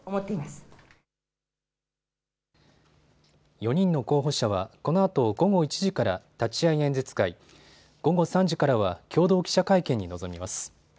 ４人の候補者はこのあと午後１時から立会演説会、午後３時からは共同記者会見に臨みます。